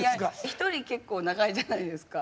一人結構長いじゃないですか。